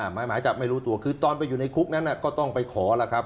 หมายจับไม่รู้ตัวคือตอนไปอยู่ในคุกนั้นก็ต้องไปขอแล้วครับ